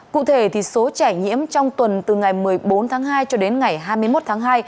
cụ thể số trẻ nhiễm trong tuần từ ngày một mươi bốn tháng hai cho đến ngày hai mươi một tháng hai